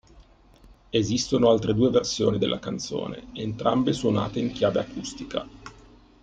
Esistono altre due versioni della canzone, entrambe suonate in chiave acustica.